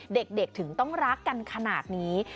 เด็กถึงต้องรักกันขนาดนี้